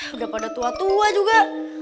udah pada tua tua juga